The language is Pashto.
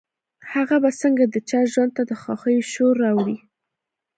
هغه به څنګه د چا ژوند ته د خوښيو شور راوړي.